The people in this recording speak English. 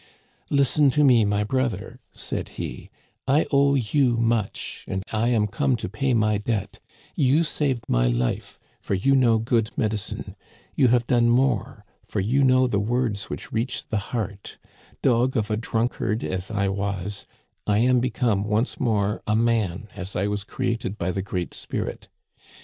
"* Listen to me, my brother,' said he. * I owe you much, and 1 am come to pay my debt. You saved my Digitized by VjOOQIC 144 '^^^ CANADIANS OF OLD. life, for you know good medicine. You have done more, for you know the words which reach the heart ; dog of a drunkard as I was, I am become once more a man as I was created by the Great Spirit.